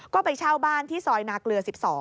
ก็ไปเช่าบ้านที่ซอยนาเกลือ๑๒